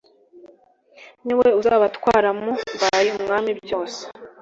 ni we uzabatwara mu by umwami byose